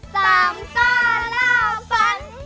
สามต้อนราวฟัน